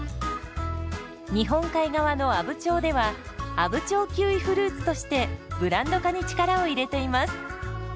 日本海側の阿武町では「阿武町キウイフルーツ」としてブランド化に力を入れています。